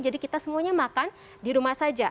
jadi kita semuanya makan di rumah saja